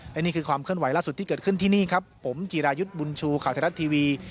และนี่คือความเคลื่อนไหวล่าสุดที่เกิดขึ้นที่นี่ครับผมจีรายุทธ์บุญชูข่าวไทยรัฐทีวี